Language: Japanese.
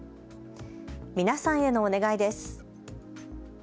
皆さんへのお願いです。